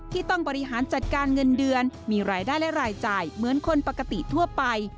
ต้องบริหารจัดการเงินเดือนมีรายได้และรายจ่ายเหมือนคนปกติทั่วไป